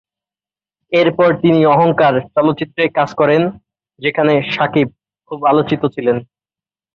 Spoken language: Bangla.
এরপর তিনি অহংকার চলচ্চিত্রে কাজ করেন, যেখানে শাকিব খুব আলোচিত ছিলেন।